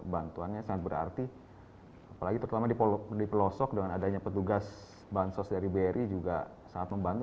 bantuannya sangat berarti apalagi terutama di pelosok dengan adanya petugas bansos dari bri juga sangat membantu